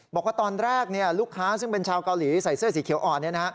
บอกว่าตอนแรกลูกค้าซึ่งเป็นชาวเกาหลีใส่เสื้อสีเขียวอ่อน